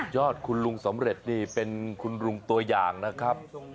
คุณลุงสำเร็จนี่เป็นคุณลุงตัวอย่างนะครับ